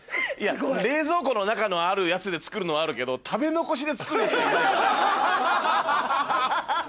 冷蔵庫の中のあるやつで作るのはあるけど食べ残しで作るやつはいないから。